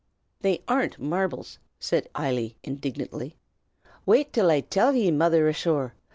"They aren't marvels!" said Eily, indignantly. "Wait till I till ye, mother asthore!